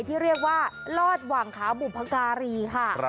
ที่เรียกว่าลอดหวังขาบุพการีค่ะ